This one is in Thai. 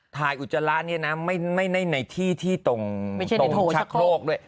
อุจจาระเนี่ยนะไม่ได้ในที่ที่ตรงชักโครกด้วย